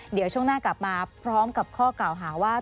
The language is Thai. เดี๋ยวช่วงหน้ากลับมาพร้อมกับข้อกล่าวหาว่า